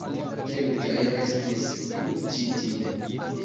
Kelkaj restis plu ĉi tie.